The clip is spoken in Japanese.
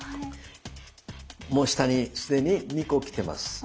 もう下に既に２個来てます。